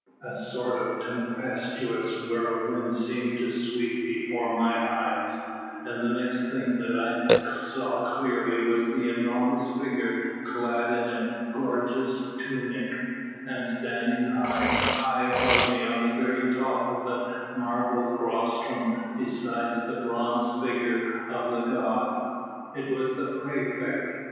A sort of tempestuous whirlwind seemed to sweep before my eyes, and the next thing that I saw clearly was an enormous figure clad in a gorgeous tunic, and standing high, high above me on the very top of the marble rostrum beside the bronze figure of the god. It was the praefect.